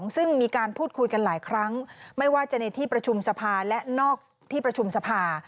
ซึ่งมีการพูดคุยกันหลายครั้งไม่ว่าจะในที่ประชุมสภาและนอกที่ประชุมสภา